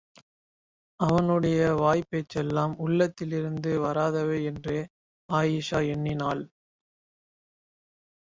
அவனுடைய வாய்ப் பேச்செல்லாம் உள்ளத்திலிருந்து வராதவை என்றே அயீஷா எண்ணினாள்.